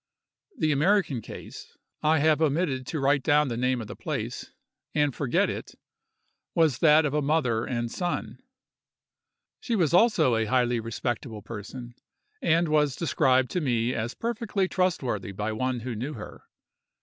The American case—I have omitted to write down the name of the place, and forget it—was that of a mother and son. She was also a highly respectable person, and was described to me as perfectly trustworthy by one who knew her.